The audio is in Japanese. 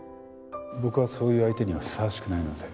僕はそういう相手にはふさわしくないので。